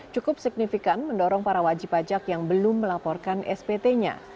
cukup signifikan mendorong para wajib pajak yang belum melaporkan spt nya